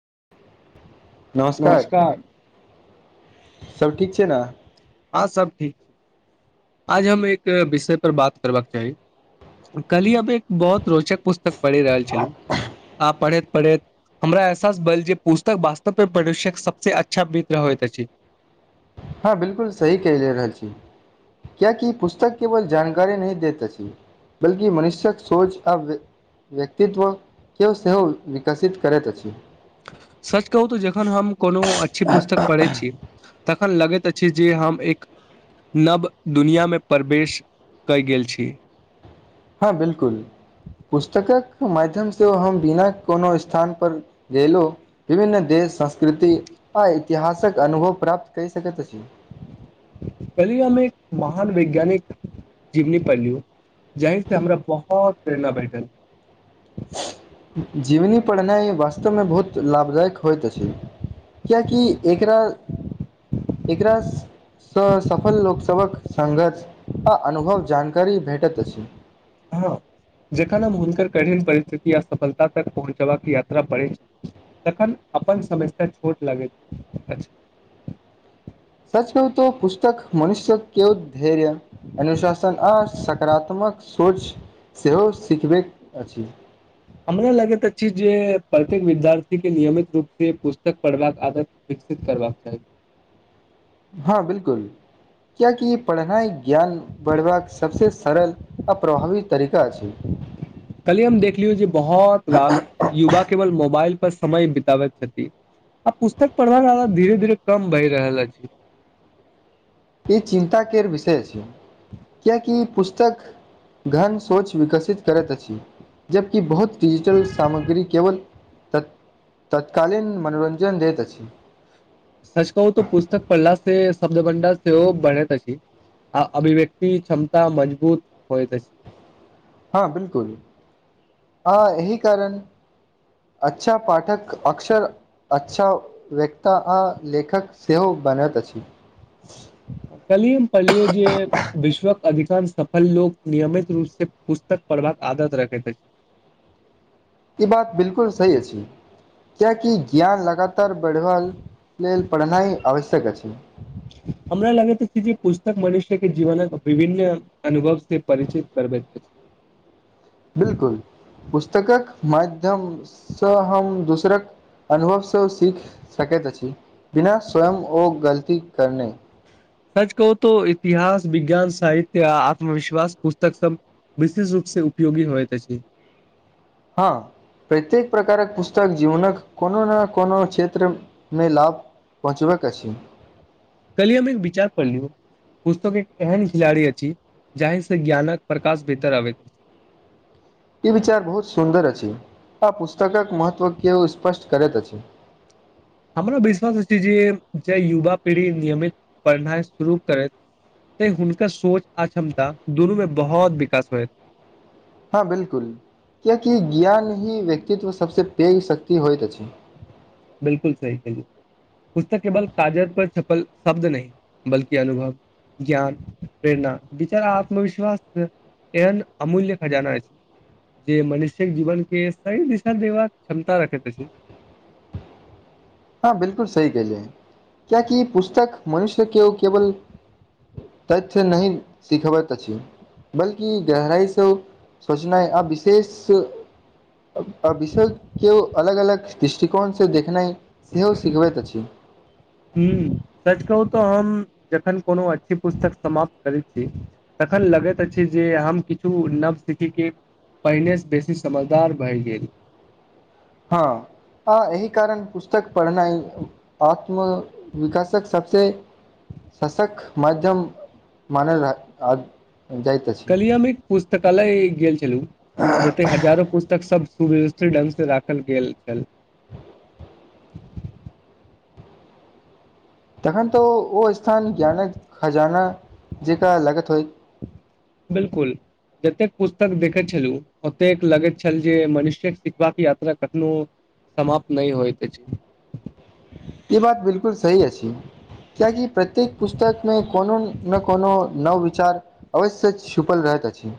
[unintelligible] नमस्कार। सब ठीक छै ने। हँ सब ठीक छै आज हम एक विषय पर बात करबाक चाही कली अब एक बहुत रोचक पुस्तक पढ़ि रहल छलहु आ पढ़ैत- पढ़ैत हमरा एहसास भेल जे पुस्तक वास्तवक सबसँ अच्छा बित होइत अछि। हँ बिलकुल सही कहि ले रहल छी कियकि पुस्तक केवल जानकारी नहि दैत अछि बल्कि मनुष्यक सोच आ व्यक्तित्वके सेहो विकसित करैत अछि। सच कहू तऽ जखन हम कोनो अच्छी पुस्तक पढ़ै छी। तखन लगैत अछि जे हम एक नव दुनियामे प्रवेश कय गेल छी। हँ बिलकुल पुस्तकक माध्यम से हम बिना कोनो स्थान पर गेलहु विभिन्न देश सं। कृति आ। इतिहासक अनुभव प्राप्त कऽ सकैत अछि। कहलियै हम एक महान वैज्ञानिक जीवनी पढ़लिय जहिसँ हमरा बहुत प्रेरणा भेटल। जीवनी पढ़नाइ वास्तवमे बहुत लाभदायक होइत अछि किएकि एकरा एकरा। स सफल लोक सबक। संघर्ष आ अनुभव जानकारी भेटत अछि। हाँ जखन हम हुनकर कठिन परिस्थिति आ सफलता तक पहुँचबाक यात्रा पड़े, तखन अपन समस्या छोट लागैत अछि। सच कहु ते पुस्तक मनुष्यके धैर्य, अनुशासन आ सकारात्मक सोच सेहो सिखबैत अछि। हमरा लगैत अछि जे प्रत्येक विद्यार्थीके नियमित रूप से पुस्तक पढ़बाक आदत विकसित करबाक चाही। हाँ बिलकुल कियाकी पढ़नाय ज्ञान बढ़बाक सबसे सरल आ प्रभावी तरीका छै। कल्हि हम देखलियौ जे बहुत रास युवा केवल मोबाइल पर समय बिताबे छथी आ पुस्तक पढ़वा वाला धीरे- धीरे कम भय रहल अछी। इ चिन्ताक केर विषय अछि कियाकि पुस्तक घन सोच विकसित करत अछि, जबकि बहुत डिजिटल सामग्री केवल त तत्कालीन मनोरंजन दैत अछि। सच कहू त पुस्तक पढ़ला से शब्द भंडार सेहो बढ़ैत अछी आ अभिव्यक्ति क्षमता मजबूत होएत अछी। हाँ बिलकुल आ एहि कारण अच्छा पाठक अक्सर अच्छा व्यक्ता आ लेखक सेहो बनत अछि। कल्हि हम पढ़लियौ जे विश्वक अधिकांश सफल लोक नियमित रूप से पुस्तक पढ़बाक आदत रखैत अछि। इ बात बिलकुल सही अछि कियाकि ज्ञान लगा तर बढ़बा लेल पढ़नाय आवश्यक अछि। हमरा लगैत अछि जे पुस्तक मनुष्य के जीवनक विभिन्न अनुभव से परिचित करबैत अछी। बिलकुल पुस्तकक माध्यमसँ हम दोसरक अनुभव त सीख सकैत अछी। बिना स्वयं ओ गलती करने सच कहू तो इतिहास, विज्ञान, साहित्य आ आत्मविश्वास पुस्तक सब विशेष रूप से उपयोगी होएत अछि। हाँ प्रत्येक प्रकारक पुस्तक जीवनक कोनो ने कोनो क्षेत्रमे लाभ पहुँचबक अछि। कली हम एक विचार पढ़लियौ पुस्तक एक एहन खिलाड़ी अछि जाहि से ज्ञानक प्रकाश बेहतर आबै। इ विचार बहुत सुन्दर अछि आ पुस्तकक महत्व केओ स्पष्ट करत अछि। हमरा विश्वास अछि जे जे युवा पीढ़ी नियमित पढ़नाय शुरू करैत तै हुनकर सोच आ क्षमता दुनूमे बहोत विकास होय। हँ बिलकुल कियाकि की होएत अछी। बिलकुल सही केली पुस्तक केवल काजत पर छपल शब्द नहि, बल्कि अनुभव, ज्ञान, प्रेरणा, विचार आ आत्मविश्वास एहन अमूल्य खजाना अछि, जे मनुष्यक जीवन के सही दिशा देबाक क्षमता रखैत अछि। हाँ बिलकुल सही केलिये कियाकि पुस्तक मनुष्य के केवल तथ्य नहि सिखबैत अछि, बल्कि गहराई से सोचनाय आ विशेष आ विशेष केओ अलग -अलग दृष्टिकोण से देखनाय हम्म सच कहु त हम जखन कोनो अच्छी पुस्तक समाप्त करै छी तखन लगैत अछि जे हम किछु नव सिखिके पहिने से बेसी समझदार भय गेल। हाँ आ एहि कारण पुस्तक पढ़नाइ आत्मविकासक सबसे सशक माध्यम मानल रहल आ कलि हमे एक पुस्तक तकालय गेल हेलो जेते हजारो पुस्तक सब सुव्यवस्थित ढंग से राखल गेल छल। तखन ते ओ -ओ स्थान ज्ञानक खजाना जेका लगत होइ। बिलकुल जतेक पुस्तक देखैत छलु, ओतेक लगैत छल जे मनुष्यक सिखबाक यात्रा कखनो समाप्त ने होएत अछि। इ बात बिलकुल सही अछि कियाकि प्रत्येक पुस्तकमे कोनो न कोनो नव विचार अवश्य छुपल रहत अछि।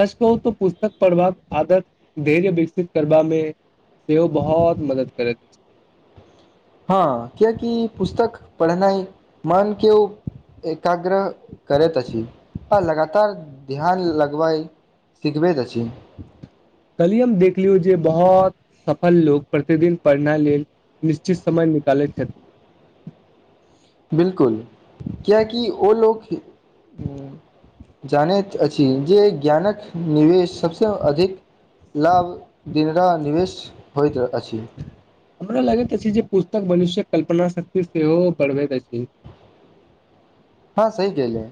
सच कहू त पुस्तक पढ़बाक आदत धैर्य विकसित करबा मे सेहो बहुत मदद करैत अछि। हँ कियाकि पुस्तक पढ़नाइ मनक के ओ एकाग्रह करैत अछि आ लगातार ध्यान लगबैत सिखबैत अछि। कलिय हम देख लियौ जे बहुत सफल लोक प्रतिदिन पढ़नाइ लेल निश्चित समय निकालैत छथिन। बिलकुल कियकि ओ लोक जानैत अछि जे ज्ञानक निवेश सभसँ अधिक लाभ दिनरा निवेश होइत रह। हमरा लगे जे पुस्तक मनुष्यक। कल्पना शक्ति सेहो बढ़बैत अछि। हँ सही कहले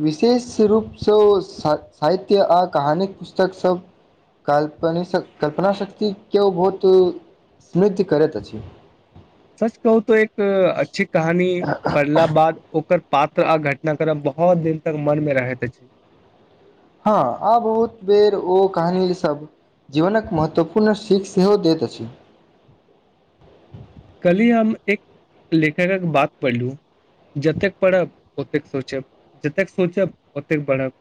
विशेष रूपसँ सा साहित्य आ कहानी पुस्तकसभ काल्प कल्पनाशक्तिक केओ बहुत समृद्ध करैत अछि। सच कहू तो एक अच्छी कहानी पढ़ला बाद ओकर। पात्र आ घटना करब बहुत दिन तक मन मे रहैत अछि। हँ आ बहुत बेर ओ कहानीसभ जीवनक महत्वपूर्ण सीख सेहो दैत अछि। कली हम एक लेखकक बात पढ़लू जतेक पढ़ब ओतेक सोचब जतेक सोचब ओतेक पढ़ब।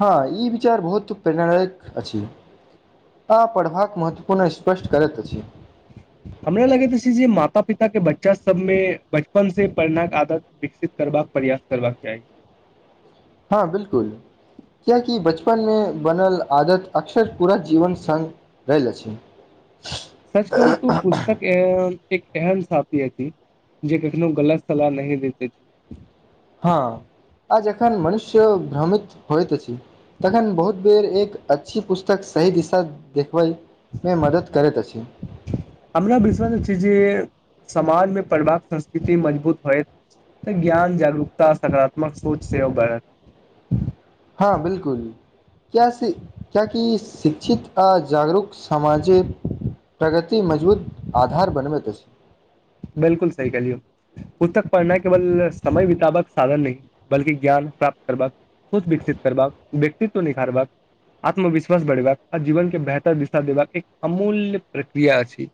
हँ ई विचार बहुत प्रेरणादायक अछि आ पढ़बाक महत्व। हमरा लगै छै जे माता पिता के बच्चे। बच्चा सबमे बचपन से पढ़नाक आदत विकसित करबाक प्रयास करबाक चाही। हँ बिलकुल कियकि बचपनमे बनल आदत अक्सर पूरा जीवन सङग रहल अछि। सच कहू तू पुस्तक एहन- एक एहन साथीथ जे कखनो गलत सलाह नही देते छै। हँ आ जखन मनुष्य भ्रमित होइत अछि तखन बहुत बेर एक अच्छी पुस्तक सही दिशा देख। ओहिमे मदद करेत अछि। हमरा विश्वस अछि जे समाजमे पढ़बाक संस्कृति मजबूत होयत तऽ ज्ञान जागरूकता सकारात्मक सोच सेहो बढ़त। कियकि शिक्षित आ जागरूक समामाजिक प्रगति मजबूत आधार बनबैत अछि। बिलकुल सी कहलियौ पुस्तक पढ़नाइ केवल समय बितबबाक साधन नहि बल्कि ज्ञान प्राप्त करबाक सोच विकसित करबाक व्यक्तित्व निखारबाक आत्मविश्वास बढ़ेबाक आ जीवन के बेहतर दिशा देबाक एक अमूल्य प्रक्रिया अछि।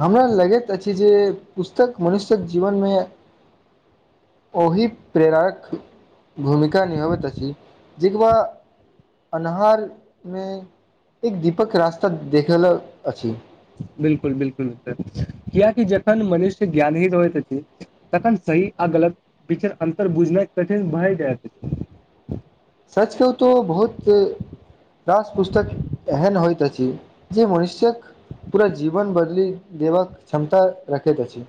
हमरा लगैत अछि जे पुस्तक मनुष्यक जीवन मे ओहि प्रेरारक भूमिका निभाबैत अछि जेकबा अन्हार मे एक दीपक रास्ता देखेल अछि। बिलकुल -बिलकुल कियकि जखन मनुष्य ज्ञान ही रहैत अछि तखन सही आ गलत पीचर अन्तर बुझनाइ कठिन भय जाइत अछि। सचके ओ तऽ बहुत रास पुस्तक एहन होइत अछि जे मनुष्यक। पूरा जीवन बदली। देबाक क्षमता रखैत अछि।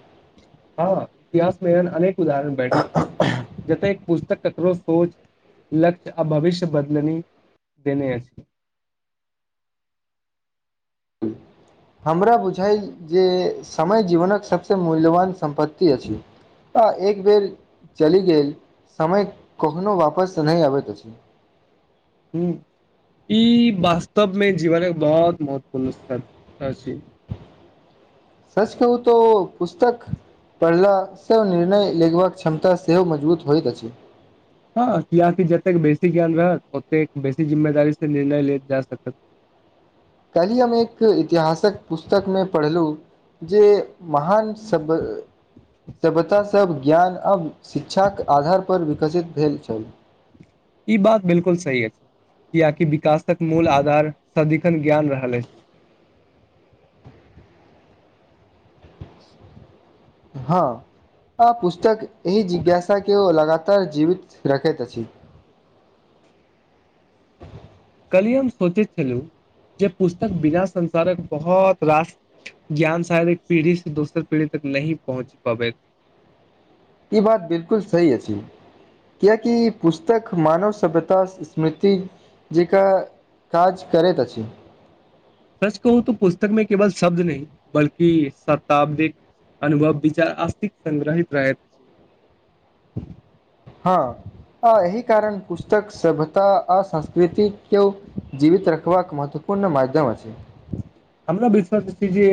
हँ इतिहासमे एहन अनेक उदरण बैठैत छी जतेक। पुस्तक ककरो सोच लक्ष्य आ भविष्य बदलनी देने अछि। हमरा बुझाइ जे समय जीवनक सबस मूल्यवान। सम्पत्ति अछि। तऽ एक बेर चलि गेल समय कखनो वापस नहि अबैत अछि। ह ई वास्तवमे जीवन एक बहुत महत्वपूर्ण स् छै। सच कहू तऽ ओ पुस्तक पढ़लाँ निर्णय लेगबाक क्षमता सेहो मजबूत होइत अछि। हँ कियकि जतेक बेसी ज्ञान रहत ओतेक बेसी जिम्मेदारी से निर्णय ल जा सकत। काल्हि हम एक इतिहासक पुस्तकमे पढ़लहुँ जे महान सभ्य सभ्यतासभ ज्ञान आब शिक्षाक आधारपर विकसित भेल छल। ई बात बिलकुल सही अछि किआकि विकासक मूल आधार सदिखन ज्ञान रहल अछि। हँ आ पुस्तक एहि जिज्ञासा के ओ लगातार जीवित रखैत अछि। कली हम सोचैत छलहु जे पुस्तक बिना संसारक बहुत रास ज्ञान सागर एक पीढ़ी से दोसर पीढ़ी तक नहिही पहुँच पबैत। ई बात बिलकुल सही अछि कियकि पुस्तक मानव सभ्यता स्मृति जी का काज करैत अछि। सच कहू त पुस्तक में केवल शब्द नहि बल्कि शताब्दिक अनुभव विचार अस््तिक संग्रहित रहेत अछि। हँ आ एहिहि कारण पुस्तक सता आ संस्कृतिक के जीवित रखबाक महत्व। हमरा विश्वास जे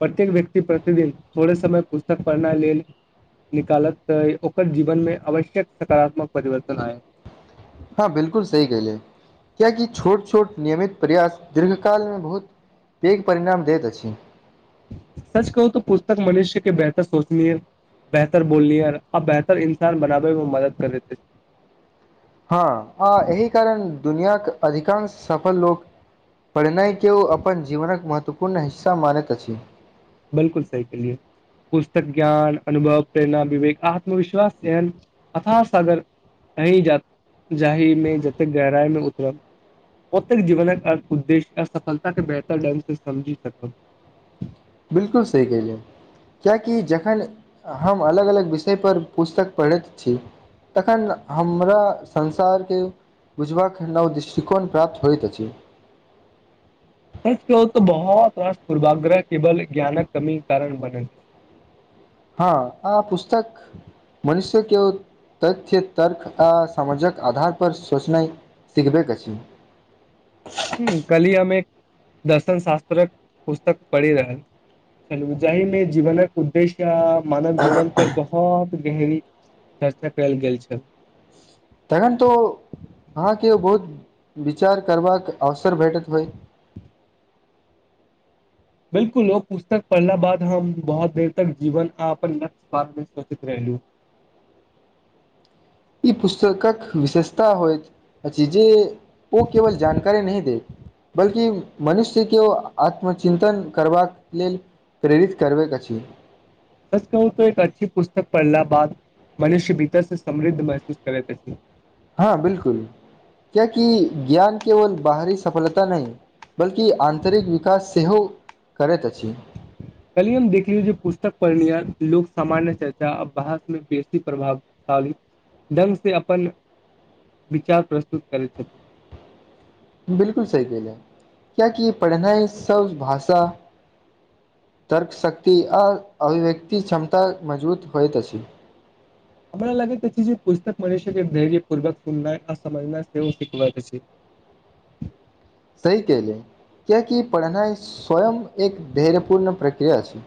प्रत्येक व्यक्ति प्रतिदिन थोड़े समय पुस्तक पढ़नाइ लेल निकालत तऽ ओकर जीवनमे आवश्यक सकारात्मक परिवर्तन आय। हँ बिलकुल सही कलै कियाकि छोट- छोट नियमित प्रयास दीर्घकालमे बहुत पैघ परिणाम दैत अछि। सच कहू तऽ पुस्तक मनुष्य के बेहतर सोचनी ह बेहतर बोलनी आ बेहतर इन्सान बनाबेमे मदद करत। हँ आ एहि कारण दुनियाक अधिकांश सफल लोक पढ़नाइ के ओ अपन जीवनक महत्वपूर्ण हिस्सा मानैत अछि। बिलकुल सही के लि पुस्तक ज्ञान अनुभव प्रेरणा विवेक आत्मविश्वास एहन अथाश अगर अ जा जाहिमे जते गहराइ मे उतरब ओतेक जीवनक अर्थ उद्देश्य आ सफलता के बेहतर ढंग से समझि सकब। बिलकुल सही कलियै कियाकि जखन। हम अलग- अलग विषय। पर पुस्तक पढ़ैत छी तखन हमरा संसार के बुझबाक नवदिष्टि। प्राप्त होइत अछि। सच कह त बहुत वर्ष पूर्वाग्रह केवल ज्ञानक कमी कारण बने छै। हँ आ पुस्तक मनुष्य के तथ्य। तर्क आ समामाजके आधार। पर सोचनाइ सिखबै अछि। कली हम एक दर्शन शास्त्रक पुस्तक पढ़ि रहल छल जाहिमे जीवनक उद्देश्य। मानव जीवन पर बहुत। गहरी चर्चा कल गेल छल। तखन तो अहाँके बहुत विचार करबाक आवश। असर भेटैत होइ। बिलकुल ओ पुस्तक पढ़ला बाद हम बहुत देर तक जीवन आ अपन लक्ष्य पात मे सुरचित रहलू। ई पुस्तकक विशेषता होइ अछि जे। ओ केवल जानकारी नहि देत। बल्कि मनुष्य के ओ आत्मचिन्तन करबाक लेल प्रेरित करबाकैत अछि। सच कहू त एक अच्छी पुस्तक पढ़ला बाद मनुष्य भीतर से समृद्ध महसूस करेेथि। हँ बिलकुल क्या कि ज्ञान केवल बाहरी सफलता नई। बल्कि आन्तरिक विकास सेहो। करैत अछी। कलिय हम देखलियौ जे पुस्तक पढ़णय लोक सामान्य चर्चा आ बहासमे बेसी प्रभावशाली ढ्ंग से अपन विचार प्रस्तुत करैत छथिन। बिलकुल सही क ल कियकि पढ़नाइ सब भाषा तर्कशक्त आ अभिव्यक्त क्षमता मजबूत होइतत अछि। हमरा लगे प जे पुस्तक मि छै धैर्य पूर्वक सुनना आ समझना से सीख छै। सही कहलो कियाकि पढ़नाइ। स्वयं एक धैर्यपूर्ण प्रक्रिया छै।